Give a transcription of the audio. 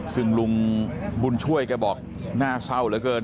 ซึ่งลุงบุญช่วยแกบอกน่าเศร้าเหลือเกิน